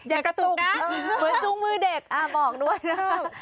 อยากกระตุกนะเหมือนจุงมือเด็กอ่าบอกด้วยนะครับ